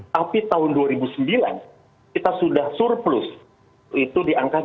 tapi tahun dua ribu sembilan kita sudah surplus itu di angka dua puluh